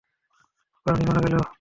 অকারণেই মারা গেল ও।